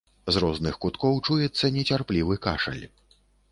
З розных куткоў чуецца нецярплівы кашаль.